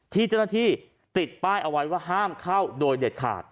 ที่เจ้าหน้าที่ติดป้ายเอาไว้ว่าห้ามเข้าโดยเด็ดขาด